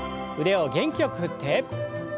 腕を元気よく振って。